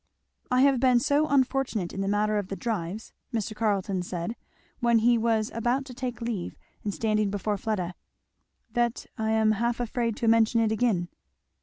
"I have been so unfortunate in the matter of the drives," Mr. Carleton said, when he was about to take leave and standing before Fleda, "that I am half afraid to mention it again."